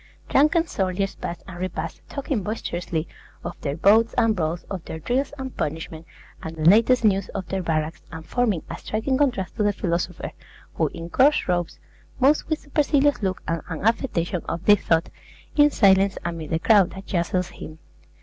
Drunken soldiers pass and repass, talking boisterously of their bouts and brawls, of their drills and punishments, and the latest news of their barracks, and forming a striking contrast to the philosopher, who, in coarse robes, moves with supercilious look and an affectation of deep thought, in silence amid the crowd that jostles him.